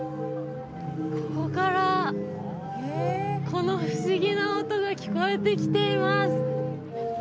ここからこの不思議な音が聞こえてきています